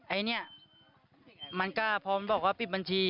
ไอ้เนี่ยมันก็พร้อมบอกว่าปิดบัญชี